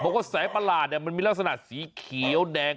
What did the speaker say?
บอกว่าแสงประหลาดมันมีลักษณะสีเขียวแดง